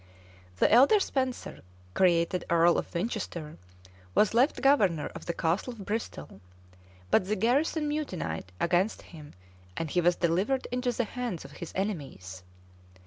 [] The elder Spenser, created earl of Winchester, was left governor of the castle of Bristol; but the garrison mutinied against him, and he was delivered into the hands of his enemies.